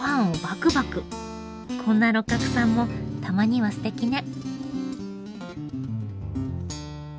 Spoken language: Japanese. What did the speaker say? こんな六角さんもたまにはすてきね。